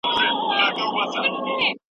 هم له ژوندیو، هم قبرونو سره لوبي کوي